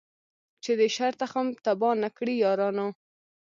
چي د شر تخم تباه نه کړی یارانو